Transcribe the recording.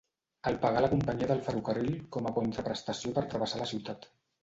El pagà la companyia del ferrocarril com a contraprestació per travessar la ciutat.